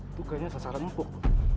itu kayaknya sasaran empuk